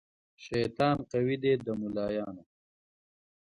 شیطان قوي دی د ملایانو